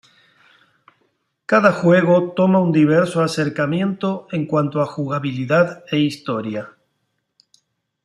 Cada juego toma un diverso acercamiento en cuanto a jugabilidad e historia.